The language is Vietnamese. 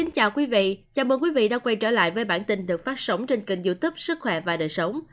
chào mừng quý vị đã quay trở lại với bản tin được phát sóng trên kênh youtube sức khỏe và đời sống